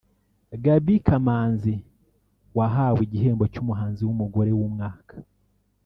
Gaby Kamanzi wahawe igihembo cy’umuhanzi w’umugore w’umwaka